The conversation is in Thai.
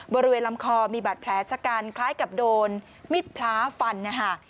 บริเวณลำคอมีบาดแผลชะกันคล้ายกับโดนมิดพล้าฟันนะคะ